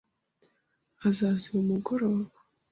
Azaza uyu mugoroba?